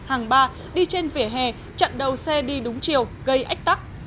hàng hai hàng ba đi trên vỉa hè chặn đầu xe đi đúng chiều gây ách tắc